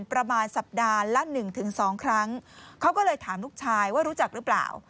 ประมาณสัปดาห์ละหนึ่งถึงสองครั้งเขาก็เลยถามลูกชายว่ารู้จักหรือเปล่า